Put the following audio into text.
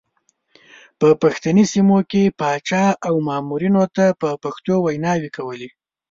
په پښتني سیمو کې پاچا او مامورینو ته په پښتو ویناوې کولې.